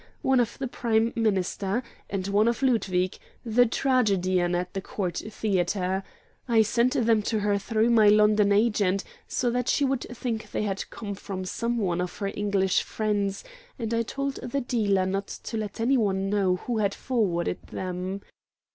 One of the Prime Minister, and one of Ludwig, the tragedian at the Court Theatre. I sent them to her through my London agent, so that she would think they had come from some one of her English friends, and I told the dealer not to let any one know who had forwarded them.